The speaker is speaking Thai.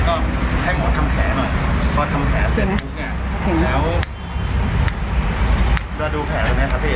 โอ้โหแผล